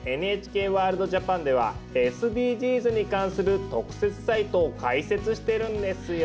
「ＮＨＫワールドＪＡＰＡＮ」ではＳＤＧｓに関する特設サイトを開設してるんですよ。